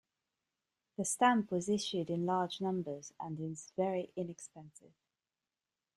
The stamp was issued in large numbers and is very inexpensive.